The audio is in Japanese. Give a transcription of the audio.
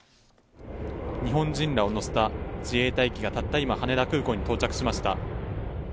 日本人らを乗せた自衛隊機がたった今、羽田空港に到着しました。